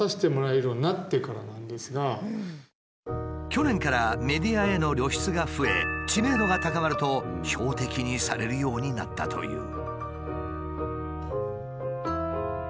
去年からメディアへの露出が増え知名度が高まると標的にされるようになったという。